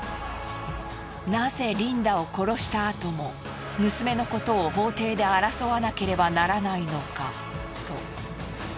なぜリンダを殺したあとも娘のことを法廷で争わなければならないのか？と。